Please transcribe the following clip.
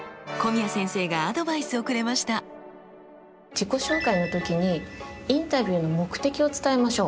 自己紹介の時にインタビューの目的を伝えましょう。